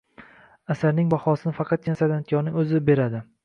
Asarning bahosini faqatgina san’atkorning o‘zi beradi.